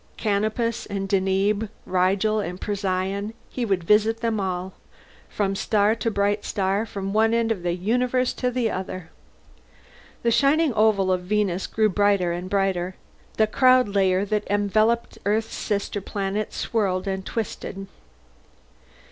Canopus and Deneb, Rigel and Procyon, he would visit them all. From star to bright star, from one end of the universe to the other. The shining oval of Venus grew brighter and brighter. The cloud layer that enveloped Earth's sister planet swirled and twisted.